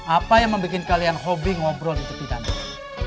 apa yang membuat kalian hobi ngobrol di tepi tadi